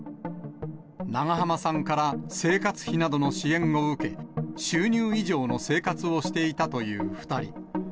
長濱さんから生活費などの支援を受け、収入以上の生活をしていたという２人。